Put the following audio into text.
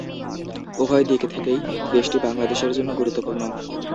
উভয় দিক থেকেই দেশটি বাংলাদেশের জন্য গুরুত্বপূর্ণ।